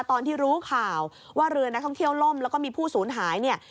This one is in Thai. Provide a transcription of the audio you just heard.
ตอนที่รู้ข่าวว่าเรือนักท่องเที่ยวล่มแล้วก็มีผู้สูญหายเนี่ย